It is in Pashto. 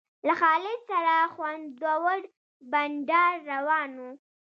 له خالد سره خوندور بنډار روان و.